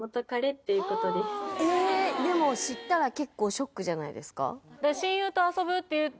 でも知ったら結構ショックじゃないですか？